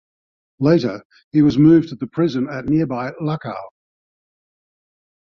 Later he was moved to the prison at nearby Luckau.